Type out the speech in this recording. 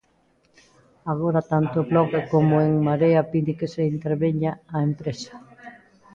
Agora, tanto o Bloque coma En Marea piden que se interveña a empresa.